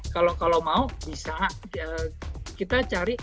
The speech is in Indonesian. kalau mau bisa kita cari